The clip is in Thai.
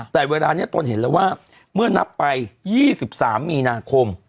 แต่เวลานี้ตนเห็นแล้วว่าเมื่อนับไป๒๓มีนาคม